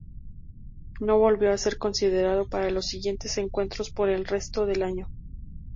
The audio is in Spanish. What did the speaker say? No volvió a ser considerado para los siguientes encuentros por el resto del año.